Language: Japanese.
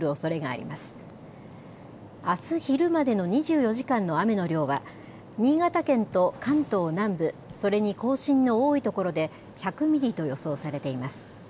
あす昼までの２４時間の雨の量は新潟県と関東南部、それに甲信の多いところで１００ミリと予想されています。